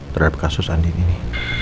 terhadap kasus andin ini